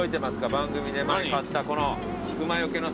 番組で前買ったこの。